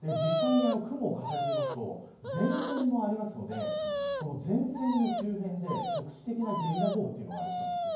実際に雲を重ねてみると前線もあるのでこの前線の周辺で局地的なゲリラ豪雨がありそうなんです。